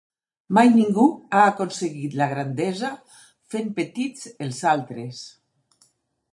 Mai ningú ha aconseguit la grandesa fent petits els altres.